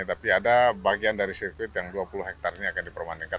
tapi ada bagian dari sirkuit yang dua puluh hektare ini akan dipermanenkan